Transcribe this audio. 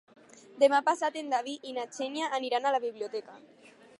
Demà passat en David i na Xènia aniran a la biblioteca.